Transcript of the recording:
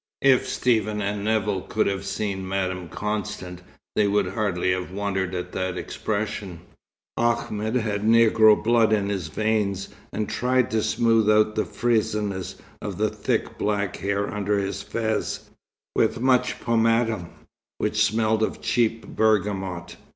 If Stephen and Nevill could have seen Madame Constant, they would hardly have wondered at that expression. Ahmed had negro blood in his veins, and tried to smooth out the frizziness of the thick black hair under his fez, with much pomatum, which smelled of cheap bergamot.